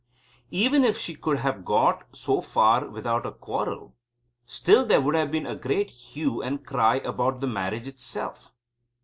Even if she could have got so far without a quarrel, still there would have been a great hue and cry about the marriage itself.